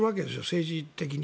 政治的に。